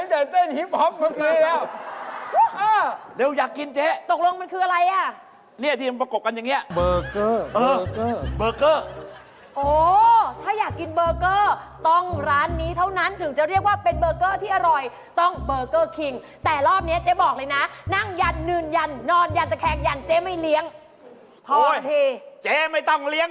เต้นเต้นฮิปพอปเมื่อกี้แล้วอ้าวเร็วอยากกินเจ๊ตกลงมันคืออะไรอ่ะเนี่ยที่มันประกบกันอย่างเงี้ยเบอร์เกอร์เบอร์เกอร์เบอร์เกอร์โอ้ถ้าอยากกินเบอร์เกอร์ต้องร้านนี้เท่านั้นถึงจะเรียกว่าเป็นเบอร์เกอร์ที่อร่อยต้องเบอร์เกอร์คิงแต่รอบเนี้ยเจ๊บอกเลยน่ะนั่งยัน